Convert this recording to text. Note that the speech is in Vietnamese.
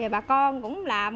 rồi bà con cũng làm